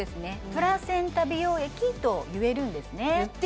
プラセンタ美容液と言えるんですね